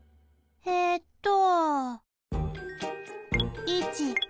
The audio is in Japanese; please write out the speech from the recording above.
えっと。